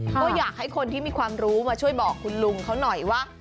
ก็อยากให้คนที่มีความรู้มาช่วยบอกคุณลุงเขาหน่อยว่า